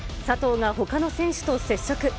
佐藤がほかの選手と接触。